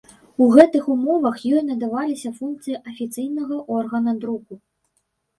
У гэтых умовах ёй надаваліся функцыі афіцыйнага органа друку.